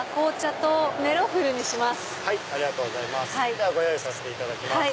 ではご用意させていただきます。